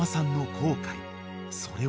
［それは］